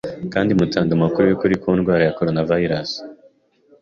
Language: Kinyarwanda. kandi mutanga amakuru y’ukuri ku ndwara ya coronavirus